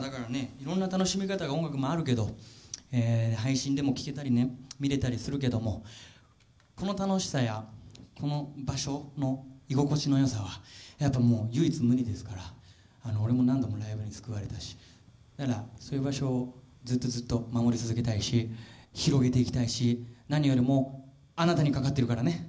いろんな楽しみ方が音楽もあるけど配信でも聴けたりね見れたりするけどもこの楽しさやこの場所の居心地の良さはやっぱもう唯一無二ですから俺も何度もライブに救われたしだからそういう場所をずっとずっと守り続けたいし広げていきたいし何よりもあなたにかかってるからね。